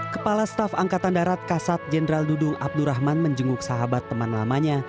kepala staf angkatan darat kasat jenderal dudung abdurrahman menjenguk sahabat teman lamanya